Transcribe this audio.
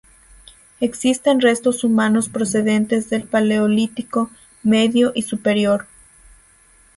Existen restos humanos procedentes del Paleolítico Medio y Superior.